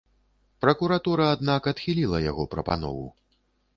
Пракуратура, аднак, адхіліла яго прапанову.